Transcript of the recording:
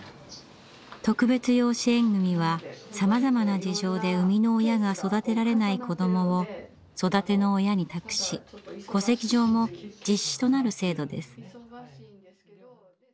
特別養子縁組はさまざまな事情で生みの親が育てられない子どもを育ての親に託し戸籍上も実子となる制度です。